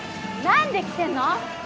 なんで来てんの！？